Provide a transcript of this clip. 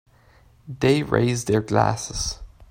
They raise their glasses.